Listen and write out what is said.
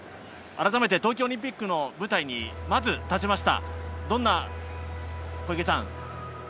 東京オリンピックの舞台にまず立ちました。